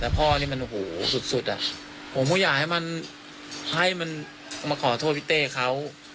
แต่พ่อนี่มันโอ้โหสุดอ่ะผมก็อยากให้มันให้มันมาขอโทษพี่เต้เขา